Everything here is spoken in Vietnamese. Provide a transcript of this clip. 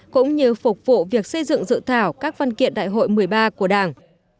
cũng như phục vụ việc xây dựng dự thảo các văn kiện đại hội một mươi ba của đảng